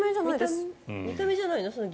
見た目じゃないです。